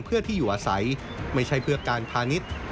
เพื่อที่อยู่อาศัยไม่ใช่เพื่อการพาณิชย์